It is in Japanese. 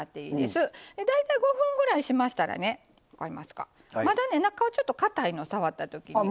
大体５分ぐらいしましたらね分かりますかまだね中はちょっとかたいの触った時に。